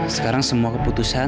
sekarang semua keputusan